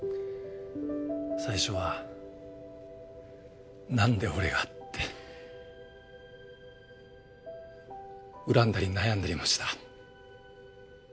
最初はなんで俺がって恨んだり悩んだりもした。